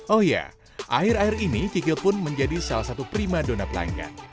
oh iya akhir akhir ini kikil pun menjadi salah satu prima donat langgan